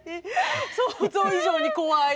想像以上に怖い。